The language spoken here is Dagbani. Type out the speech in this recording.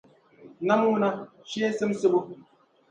Nam ŋuna, shee simsibu.